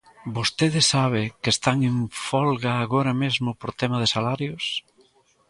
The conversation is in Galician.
¿Vostede sabe que están en folga agora mesmo por tema de salarios?